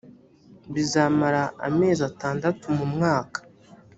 bizamara amezi atandatu mu mwaka